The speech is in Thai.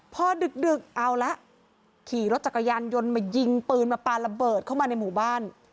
พอดึกเอาละขี่รถจักรยานยนต์มายิงปืนมาปลาระเบิดเข้ามาในหมู่บ้าน